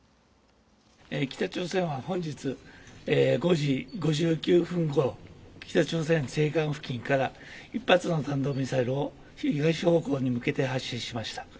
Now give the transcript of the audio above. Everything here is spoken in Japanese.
北朝鮮は本日５時５９分ごろ、北朝鮮西岸付近から１発の弾道ミサイルを東方向に向けて発射しました。